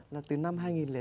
là từ năm hai nghìn chín